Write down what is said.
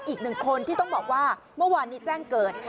อีกหนึ่งคนที่ต้องบอกว่าเมื่อวานนี้แจ้งเกิด